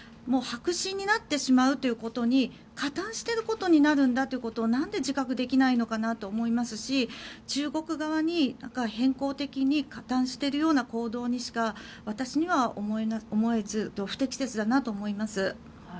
もう白紙になってしまうということに加担してしまうことになるのかということをなんで自覚できないのかなと思いますし中国側に偏向的に加担しているような行動にしか私には思えず不適切だなと思います。